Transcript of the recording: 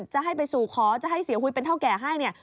จะให้ไปสู่ขอจะให้เสียหุยเป็นเท่าแก่ให้เนี่ย